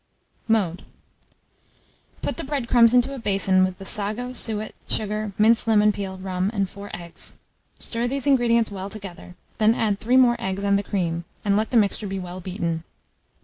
Mode. Put the bread crumbs into a basin with the sago, suet, sugar, minced lemon peel, rum, and 4 eggs; stir these ingredients well together, then add 3 more eggs and the cream, and let the mixture be well beaten.